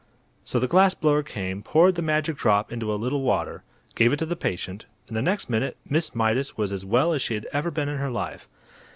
So the glass blower came, poured the magic drop into a little water, gave it to the patient, and the next minute Miss Mydas was as well as she had ever been in her life.